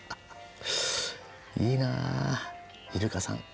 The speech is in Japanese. いいなあイルカさん。